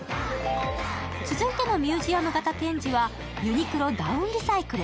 続いてのミュージアム型展示はユニクロダウンリサイクル。